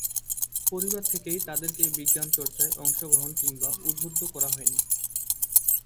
পরিবার থেকেই তাদেরকে বিজ্ঞান চর্চায় অংশগ্রহণ কিংবা উদ্বুদ্ধ করা হয়নি।